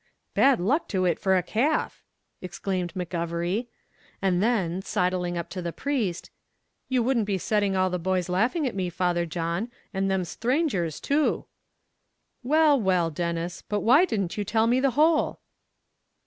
"Bad luck to it for a calf!" exclaimed McGovery; and then, sidling up to the priest, "you wouldn't be setting all the boys laughing at me, Father John, and thim sthrangers, too." "Well, well, Denis, but why didn't you tell me the whole?"